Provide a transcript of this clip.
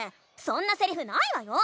そんなセリフないわよ！